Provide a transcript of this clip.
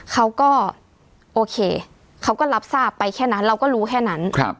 เขาก็โอเคเขาก็รับทราบไปแค่นั้นเราก็รู้แค่นั้น